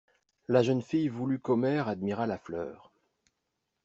La jeune fille voulut qu'Omer admirât la fleur.